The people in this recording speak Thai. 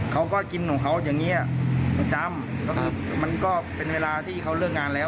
เขาก็กินของเขาอย่างเงี้ยประจำก็คือมันก็เป็นเวลาที่เขาเลิกงานแล้ว